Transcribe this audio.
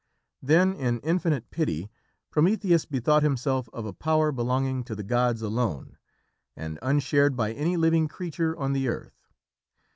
Then, in infinite pity, Prometheus bethought himself of a power belonging to the gods alone and unshared by any living creature on the earth.